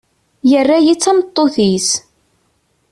Yerra-iyi d tameṭṭut-is.